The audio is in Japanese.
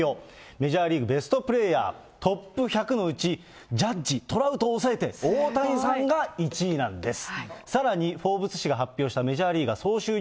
メジャーリーグベストプレーヤートップ１００のうち、ジャッジ、トラウトを抑えて、太蔵さん、想像はつきますよ。